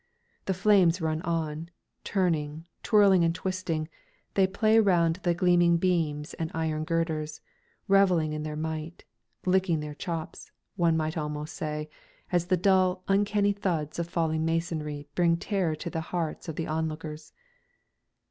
The flames run on; turning, twirling and twisting, they play round the glowing beams and iron girders, revelling in their might, licking their chops, one might almost say, as the dull, uncanny thuds of falling masonry bring terror to the hearts of the onlookers.